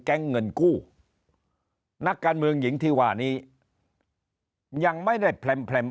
แก๊งเงินกู้นักการเมืองหญิงที่ว่านี้ยังไม่ได้แพร่มแพร่ม